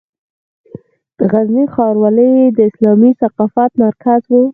غزني ښار ولې د اسلامي ثقافت مرکز و؟